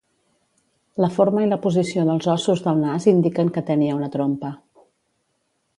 La forma i la posició dels ossos del nas indiquen que tenia una trompa.